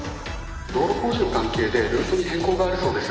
道路工事の関係でルートに変更があるそうです。